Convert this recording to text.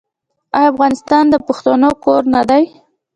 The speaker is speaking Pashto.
آیا افغانستان د پښتنو کور نه دی؟